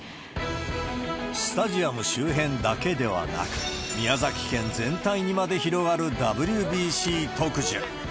スタジアム周辺だけではなく、宮崎県全体にまで広がるＷＢＣ特需。